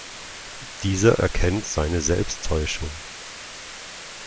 Dieser erkennt seine Selbsttäuschung.